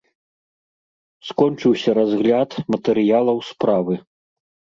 Скончыўся разгляд матэрыялаў справы.